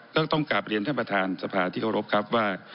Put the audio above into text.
ต้องกลับเรียนท่านประธานสภาที่เคารพครับว่า